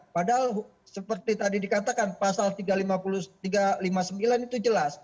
padahal seperti tadi dikatakan pasal tiga ratus lima puluh sembilan itu jelas